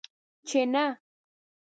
چې نه!